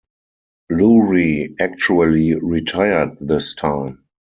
Lewry actually retired this time.